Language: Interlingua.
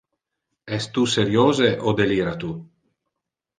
Es tu seriose o delira tu?